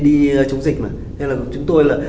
bây giờ chúng dịch mà